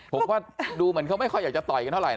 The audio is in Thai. ผมว่าดูมันเขาไม่ค่อยจะต่อยกันเท่าไรนะ